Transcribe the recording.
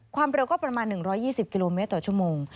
ความเร็วก็ประมาณ๑๒๐กิโลเมตรต่อชั่วโมง